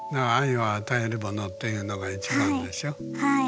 はい。